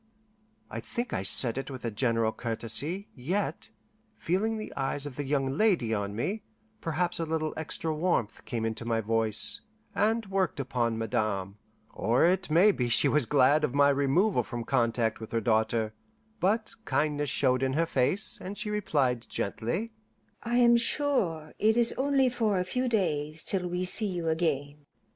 I think I said it with a general courtesy, yet, feeling the eyes of the young lady on me, perhaps a little extra warmth came into my voice, and worked upon Madame, or it may be she was glad of my removal from contact with her daughter; but kindness showed in her face, and she replied gently, "I am sure it is only for a few days till we see you again."